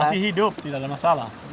masih hidup tidak ada masalah